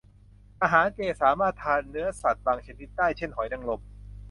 อาหารเจ สามารถทานเนื้อสัตว์บางชนิดได้ เช่นหอยนางรม